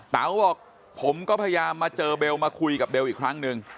เต๋าบอกผมก็พยายามมาเจอเบลมาคุยกับเบลอีกครั้งหนึ่ง